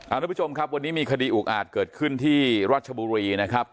ทุกผู้ชมครับวันนี้มีคดีอุกอาจเกิดขึ้นที่รัชบุรีนะครับ